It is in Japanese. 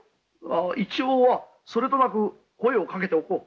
一応はそれとなく声をかけておこう。